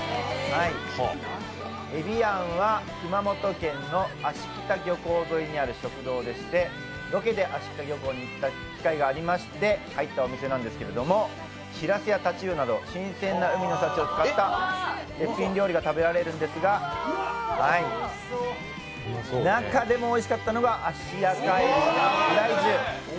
えび庵は熊本県の芦北漁港沿いにある食堂でして、ロケで芦北漁港に行く機会があって行ったお店なんですけどしらすや太刀魚など新鮮な海の幸を使った絶品料理が食べられるんですが中でもおいしかったのが足赤えびフライ重。